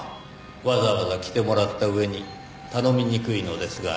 わざわざ来てもらった上に頼みにくいのですがねぇ。